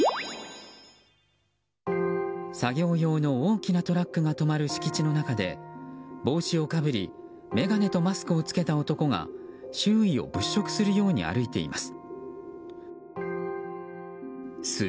作業用の大きなトラックが止まる敷地の中で帽子をかぶり眼鏡とマスクを着けた男が周囲を物色するように歩いています。